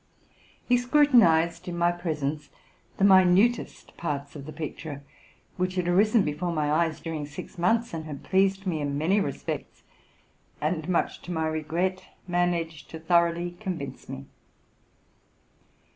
He scrutinized, in my presence, the minutest parts of the picture, which had arisen before my eyes during six months, and had pleased me in many respects, and, much to my regret, managed to thor oughly convince me.